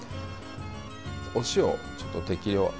お塩ちょっと適量。